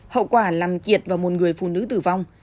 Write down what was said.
hậu quả làm kiệt và một người phụ nữ tử vong